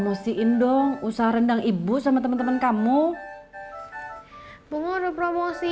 kehilangan cowok sebenarnya juga tidak nyaman tambah sama bikin sistem penghojot